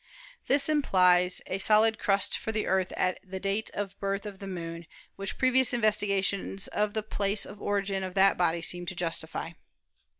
This implies a solid crust for the Earth at the date of birth of the Moon, which previous investigations of the place of origin of that body seem to justify.